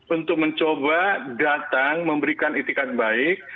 untuk mencoba datang memberikan itikat baik